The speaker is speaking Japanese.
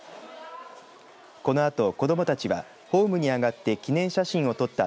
このあと、子どもたちはホームに上がって記念写真を撮った